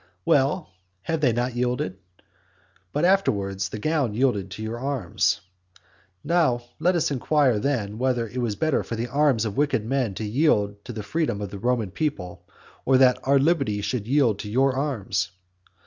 Well, have they not yielded? But afterwards the gown yielded to your arms. Let us inquire then whether it was better for the arms of wicked men to yield to the freedom of the Roman people, or that our liberty should yield to your arms.